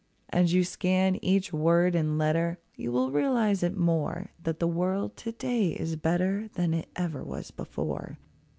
As you scan each word and letter. You will realise it more, That the world to day is better Than it ever was before.